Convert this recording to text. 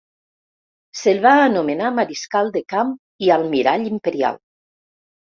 Se'l va anomenar Mariscal de Camp i Almirall Imperial.